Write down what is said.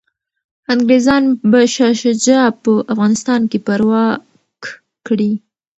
انګریزان به شاه شجاع په افغانستان کي پرواک کړي.